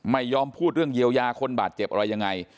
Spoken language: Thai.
ไม่ยอมพูดเรื่องเยียวยาคนบาดเจ็บอะไรยังไง